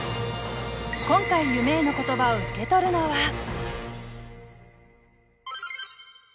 今回夢への言葉を受け取るのは。